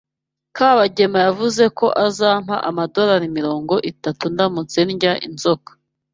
Kabagema yavuze ko azampa amadorari mirongo itatu ndamutse ndya inzoka.